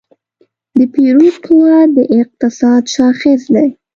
د پیرود قوت د اقتصاد شاخص دی.